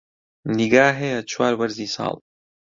نیگا هەیە چوار وەرزی ساڵ